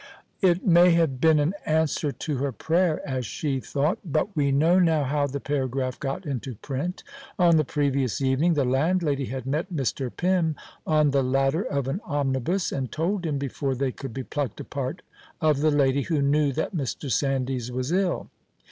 It may have been an answer to her prayer, as she thought, but we know now how the paragraph got into print. On the previous evening the landlady had met Mr. Pym on the ladder of an omnibus, and told him, before they could be plucked apart, of the lady who knew that Mr. Sandys was ill.